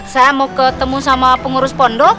saya mau ketemu sama pengurus pondok